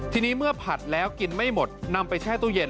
ทีนี้เมื่อผัดแล้วกินไม่หมดนำไปแช่ตู้เย็น